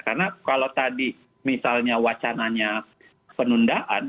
karena kalau tadi misalnya wacananya penundaan